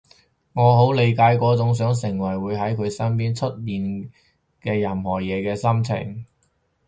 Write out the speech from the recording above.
我好理解嗰種想成為會喺佢身邊出現嘅任何嘢嘅心情